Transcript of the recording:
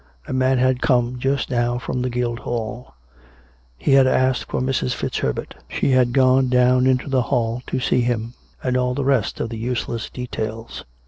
A man had come just now from the Guildhall; he had asked for Mrs. FitzHer bert; she had gone down into the hall to see him; and all the rest of the useless details.